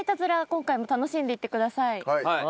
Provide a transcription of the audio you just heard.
今回も楽しんでいってください。